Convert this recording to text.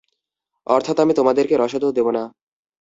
অর্থাৎ আমি তোমাদেরকে রসদও দেব না।